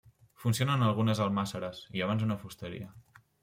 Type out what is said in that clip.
Funcionen algunes almàsseres i abans una fusteria.